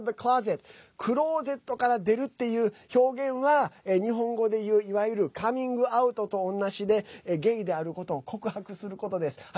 Ｃｏｍｉｎｇｏｕｔｏｆｔｈｅｃｌｏｓｅｔ．クローゼットから出るっていう表現は日本語で言ういわゆるカミングアウトと同じでゲイであることを告白することです。